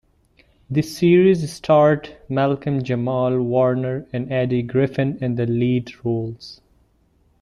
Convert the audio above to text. This series starred Malcolm-Jamal Warner and Eddie Griffin in the lead roles.